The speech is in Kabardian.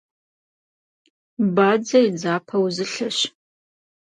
Бадзэ и дзапэ узылъэщ.